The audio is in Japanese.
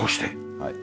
はい。